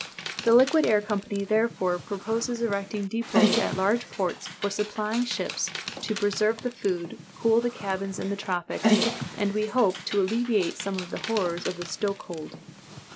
The Liquid Air Company therefore proposes erecting depôts at large ports for supplying ships, to preserve the food, cool the cabins in the tropics, and, we hope, to alleviate some of the horrors of the stokehold.